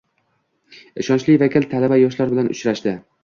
Ishonchli vakil talaba-yoshlar bilan uchrashdi